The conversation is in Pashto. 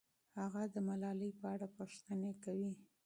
هغه د ملالۍ په اړه پوښتنې کوي.